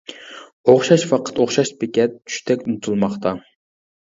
ئوخشاش ۋاقىت، ئوخشاش بېكەت چۈشتەك ئۇنتۇلماقتا.